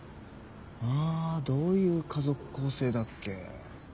あどういう家族構成だっけ。